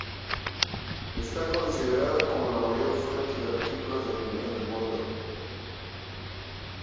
Está considerada como la mayor fuente de artículos de opinión del mundo.